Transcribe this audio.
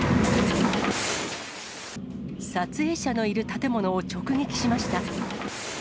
撮影者のいる建物を直撃しました。